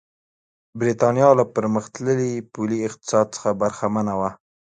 برېټانیا له پرمختللي پولي اقتصاد څخه برخمنه وه.